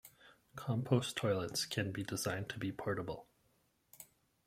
Compost toilets can be designed to be portable.